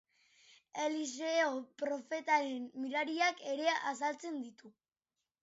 Eliseo profetaren mirariak ere azaltzen ditu.